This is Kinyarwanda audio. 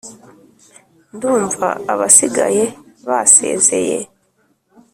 ndumva abasigaye basezeye,